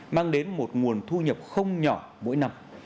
mang đến một nguồn thu nhập không nhỏ mỗi năm